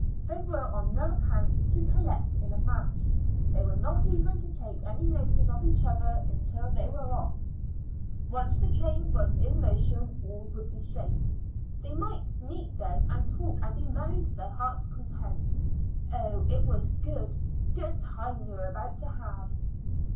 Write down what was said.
They were on no account to collect in a mass. They were not even to take any notice of each other until they were off. Once the train was in motion all would be safe; they might meet then and talk and be merry to their hearts' content. Oh, it was a good, good time they were about to have!